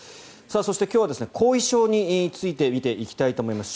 そして、今日は後遺症について見ていきたいと思います。